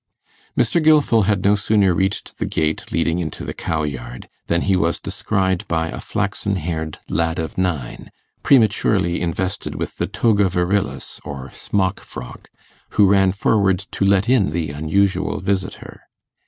Mr. Gilfil had no sooner reached the gate leading into the cow yard, than he was descried by a flaxen haired lad of nine, prematurely invested with the toga virilis, or smock frock, who ran forward to let in the unusual visitor.